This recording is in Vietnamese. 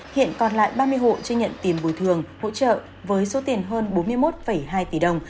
hiện còn lại ba mươi hộ chưa nhận tiền bồi thường hỗ trợ với số tiền hơn bốn mươi một hai tỷ đồng